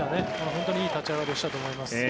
本当にいい立ち上がりをしたと思います。